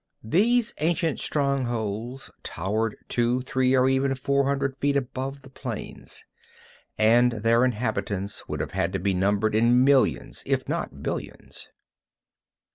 These ancient strongholds towered two, three, and even four hundred feet above the plains, and their inhabitants would have had to be numbered in millions if not billions.